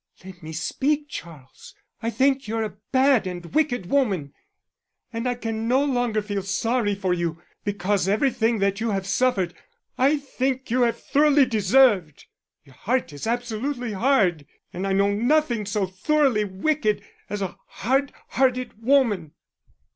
"Let me speak, Charles; I think you're a bad and wicked woman and I can no longer feel sorry for you, because everything that you have suffered I think you have thoroughly deserved. Your heart is absolutely hard, and I know nothing so thoroughly wicked as a hard hearted woman."